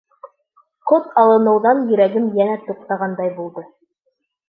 Ҡот алыныуҙан йөрәгем йәнә туҡтағандай булды.